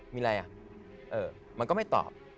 มีอะไรอ่ะมันก็ไม่ตอบ